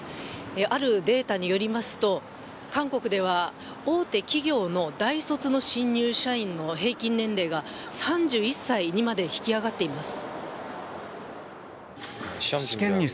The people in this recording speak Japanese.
あるデータによりますと、韓国では大手企業の大卒の新入社員の平均年齢が３１歳にまで引き上がっています。